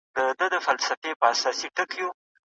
مسلکي زده کړې د دندو پیدا کولو کي مرسته کوي.